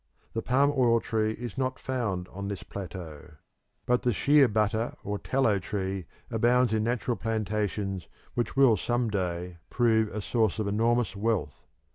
The palm oil tree is not found on this plateau, but the shea butter or tallow tree abounds in natural plantations which will some day prove a source of enormous wealth.